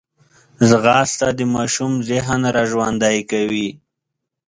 ځغاسته د ماشوم ذهن راژوندی کوي